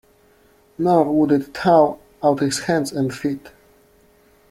Nor would it thaw out his hands and feet.